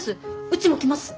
うちも来ます。